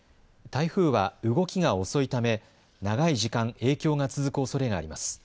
台風は動きが遅いため、長い時間影響が続くおそれがあります。